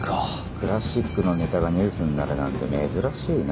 クラシックのネタがニュースになるなんて珍しいな。